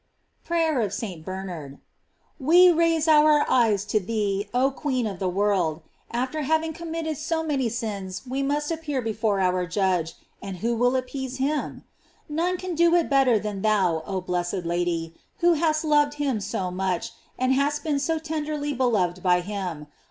PRAYER OF ST. BERNARD. WE raise our eyes to thee, oh queen of the world. After having committed so many sins we must appear before our Judge, and who will appease him? None can do it better than thou, oh blessed Lady, who hast loved him so much, and hast been so tenderly beloved by him.